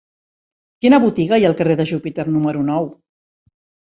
Quina botiga hi ha al carrer de Júpiter número nou?